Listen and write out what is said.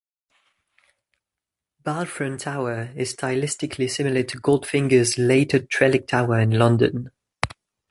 Balfron Tower is stylistically similar to Goldfinger's later Trellick Tower in London.